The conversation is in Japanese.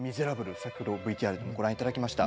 さっきのＶＴＲでもご覧いただきました。